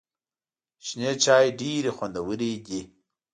شنې چای ډېري خوندوري دي .